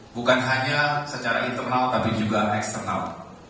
bukan hanya secara internal tapi juga eksternal